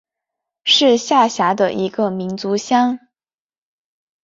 是下辖的一个民族乡。